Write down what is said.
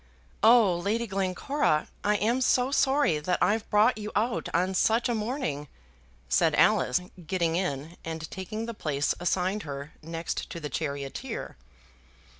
"Oh! Lady Glencora, I am so sorry that I've brought you out on such a morning," said Alice, getting in and taking the place assigned her next to the charioteer.